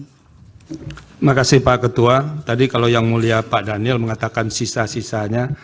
terima kasih pak ketua tadi kalau yang mulia pak daniel mengatakan sisa sisanya